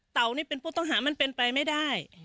นี่เป็นผู้ต้องหามันเป็นไปไม่ได้